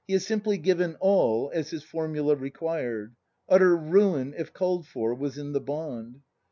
He has simply given All, as his formula required; utter ruin, if called for, was in the bond.